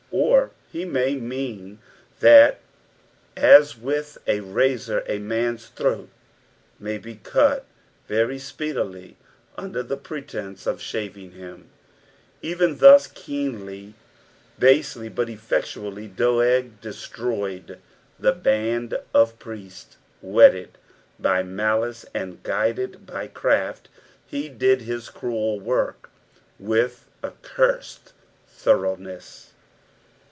Or he may mean that as with a razor a man's throat may be cut very speedily, under the pretence of shaving him, even thus keenly, basely, but effectually Doeg destroyed the band of the priests. Whetted by malice, and guided by craft, he did his cruel work with accursed thoroughness.